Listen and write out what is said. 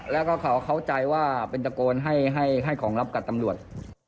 แล้วก็เขาเข้าใจว่าเป็นตะโกนให้ของรับกับตำรวจ